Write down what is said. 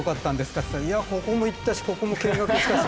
っつったら「ここも行ったしここも見学したし」。